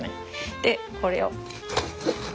でこれを。